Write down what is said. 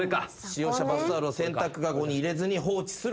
使用したバスタオルを洗濯籠に入れずに放置する行為。